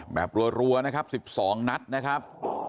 แบบรวดรัวนะครับ๑๒นัทนะครับ